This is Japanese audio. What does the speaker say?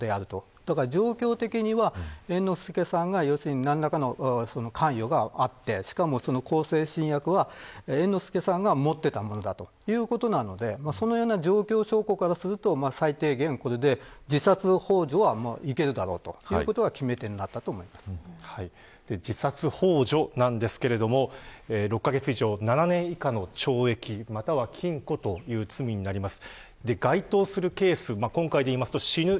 だから状況的には、猿之助さんが何らかの関与があってしかも向精神薬は猿之助さんが持っていたものだということなので状況証拠からすると最低限これで、自殺ほう助はいけるだろうということが自殺ほう助ですが６カ月以上７年以下の懲役または禁錮という罪になります。